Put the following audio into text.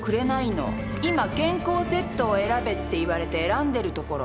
「今健康セットを選べって言われて選んでるところ」